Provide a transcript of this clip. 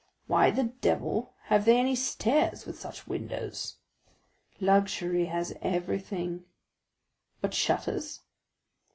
"Why the devil have they any stairs with such windows?" "Luxury has everything." "But shutters?"